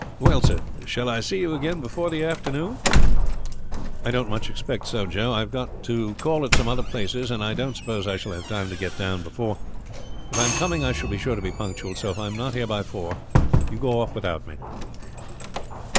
Well, sir, shall I see you again before the afternoon?" "I don't much expect so, Joe. I have got to call at some other places, and I don't suppose I shall have time to get down before. If I am coming I shall be sure to be punctual; so if I am not here by four, go off without me."